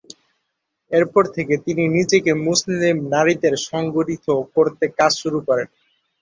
এরপর থেকে তিনি নিজেকে মুসলিম নারীদের সংগঠিত করতে কাজ শুরু করেন।